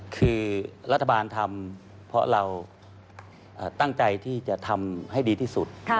คือรัฐบาลทำเพราะเราตั้งใจที่จะทำให้ดีที่สุด